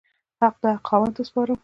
حق د حق خاوند ته وسپارم.